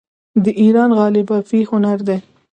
د ایران غالۍ بافي هنر دی.